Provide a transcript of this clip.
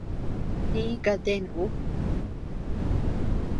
Lï ka ten ú.